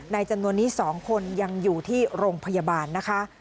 จำนวนนี้๒คนยังอยู่ที่โรงพยาบาลนะคะ